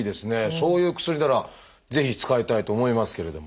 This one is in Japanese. そういう薬ならぜひ使いたいと思いますけれども。